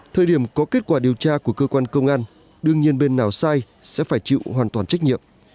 thời điểm có kết quả điều tra của cơ quan công an đương nhiên bên nào sai sẽ phải chịu hoàn toàn trách nhiệm